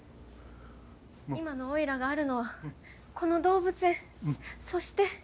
「今のおいらがあるのはこの動物園そして」。